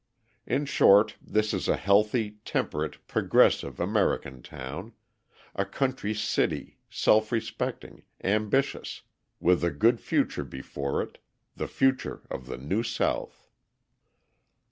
In short, this is a healthy, temperate, progressive American town a country city, self respecting, ambitious, with a good future before it the future of the New South.